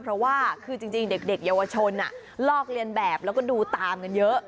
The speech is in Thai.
เพราะว่าคือจริงเด็กเยาวชนลอกเรียนแบบแล้วก็ดูตามกันเยอะ